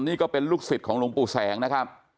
นี่ก็เป็นลูกศิษย์ของหลวงปู่แสงนะครับ